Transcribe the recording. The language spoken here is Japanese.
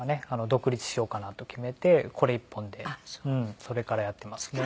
独立しようかなと決めてこれ一本でそれからやっていますね。